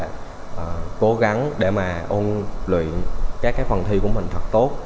em rất là cố gắng để mà ôn luyện các phần thi của mình thật tốt